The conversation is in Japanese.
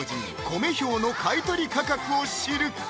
コメ兵の買取価格を知る！